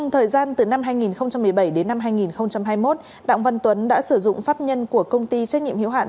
trong thời gian từ năm hai nghìn một mươi bảy đến năm hai nghìn hai mươi một đọng văn tuấn đã sử dụng pháp nhân của công ty trách nhiệm hiệu hạn